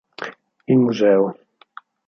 Il museo.